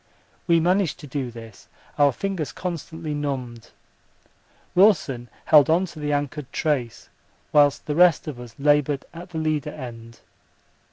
We managed to do this, our fingers constantly numbed. Wilson held on to the anchored trace whilst the rest of us laboured at the leader end.